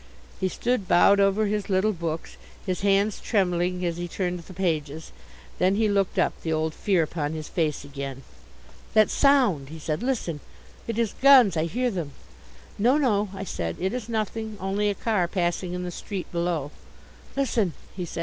He stood bowed over his little books, his hands trembling as he turned the pages. Then he looked up, the old fear upon his face again. "That sound!" he said. "Listen! It is guns I hear them." "No, no," I said, "it is nothing. Only a car passing in the street below." "Listen," he said.